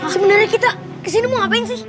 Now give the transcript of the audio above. sebenarnya kita kesini mau ngapain sih